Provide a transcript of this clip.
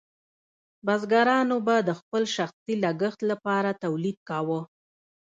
بزګرانو به د خپل شخصي لګښت لپاره تولید کاوه.